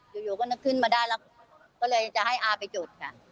อยู่ก็นึกขึ้นมาได้แล้วก็เลยจะให้อาไปจุดค่ะ